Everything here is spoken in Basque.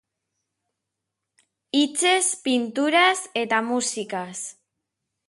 Hitzez, pinturaz eta musikaz.